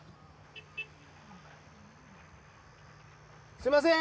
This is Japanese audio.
すみません！